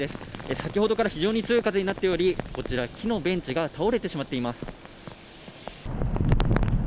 先ほどから非常に強い風になっており、こちら、木のベンチが倒れてしまっています。